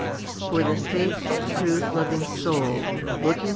7. For the faithful, truth loving soul, looking to the 1 Rom.